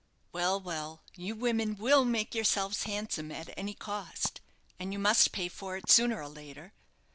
Well, well, you women will make yourselves handsome at any cost, and you must pay for it sooner or later.